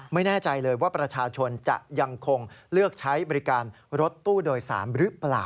ไม่แน่ใจเลยว่าประชาชนจะยังคงเลือกใช้บริการรถตู้โดยสารหรือเปล่า